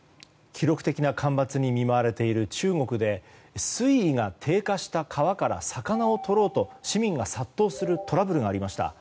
記録的な干ばつに見舞われている中国で水位が低下した川から魚をとろうと市民が殺到するトラブルがありました。